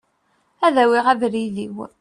Ad awiɣ abrid-iw.